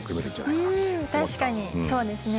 確かにそうですね。